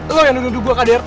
lo yang nuduh gua kdrt